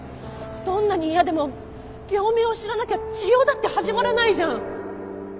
どんなに嫌でも病名を知らなきゃ治療だって始まらないじゃん。